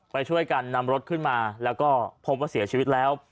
ไปช่วยกันนำรถขึ้นมาแล้วก็พบว่าเสียชีวิตแล้ว